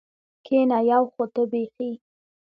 کېنه یو خو ته بېخي.